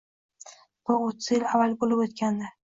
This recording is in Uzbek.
Bu o`ttiz yil avval bo`lib o`tgandi